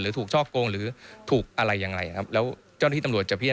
ถูกช่อกงหรือถูกอะไรยังไงครับแล้วเจ้าหน้าที่ตำรวจจะเพี้ยน